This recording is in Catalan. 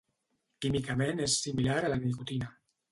Químicament és similar a la nicotina.